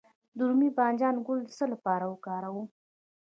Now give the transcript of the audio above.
د رومي بانجان ګل د څه لپاره وکاروم؟